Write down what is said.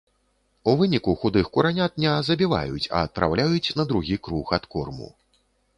У выніку худых куранят ня забіваюць, а адпраўляюць на другі круг адкорму.